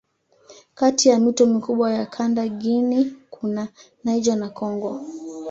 Kati ya mito mikubwa ya kanda Guinea kuna Niger na Kongo.